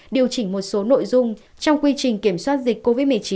điều chỉnh một số nội dung trong quy trình kiểm soát dịch covid một mươi chín